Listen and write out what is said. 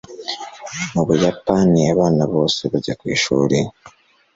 Mu Buyapani, abana bose bajya ku ishuri.